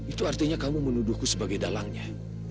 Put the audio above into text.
itu artinya kamu menuduhku sebagai dalangnya